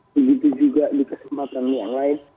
begitu juga di kesempatan yang lain